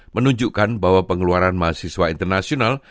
menunjukkan bahwa pengeluaran mahasiswa internasional